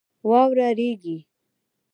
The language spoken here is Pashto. واوره رېږي.